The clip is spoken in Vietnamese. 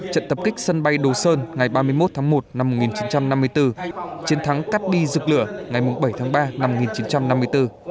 trận tập kích sân bay đồ sơn ngày ba mươi một tháng một năm một nghìn chín trăm năm mươi bốn chiến thắng cát bi dược lửa ngày bảy tháng ba năm một nghìn chín trăm năm mươi bốn